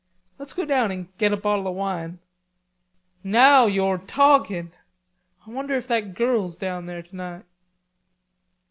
"Let's go down and get a bottle of wine." "Now yo're talkin'. Ah wonder if that girl's down there tonight."